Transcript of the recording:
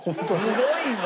すごいわ。